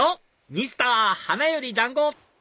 ミスター花より団子！